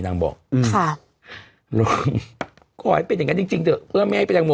นางบอกอืมค่ะเป็นอย่างงี้จริงจรรย์ไม่ให้ตัยอย่างโม